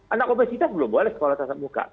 anak obesitas belum boleh sekolah tatap muka